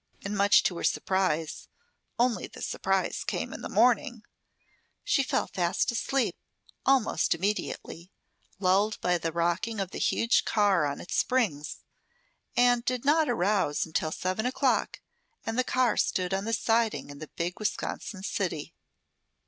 And much to her surprise (only the surprise came in the morning) she fell fast asleep almost immediately, lulled by the rocking of the huge car on its springs, and did not arouse until seven o'clock and the car stood on the siding in the big Wisconsin city.